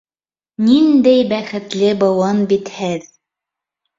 Ниндәй бәхетле быуын бит һеҙ!